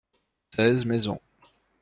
Seize maisons.